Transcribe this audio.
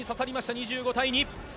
２５対３。